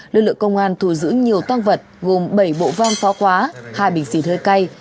lực lượng công an thù giữ nhiều tăng vật gồm bảy bộ van phá quá hai bình xỉn hơi cay